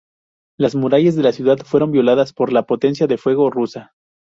Las murallas de la ciudad fueron violadas por la potencia de fuego rusa.